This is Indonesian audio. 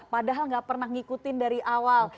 padahal gak pernah ngikutin dari awal